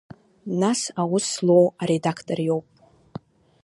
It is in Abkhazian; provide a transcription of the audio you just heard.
Нас аус злоу аредактор иоуп.